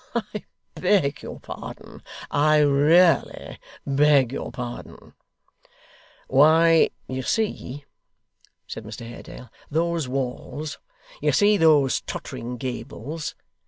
I beg your pardon, I really beg your pardon ' 'Why, you see,' said Mr Haredale, 'those walls. You see those tottering gables.